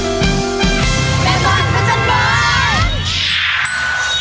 เป็นฝั่งพระเจดเบิร์น